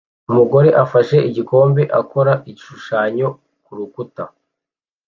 Umugore afashe igikombe akora igishushanyo kurukuta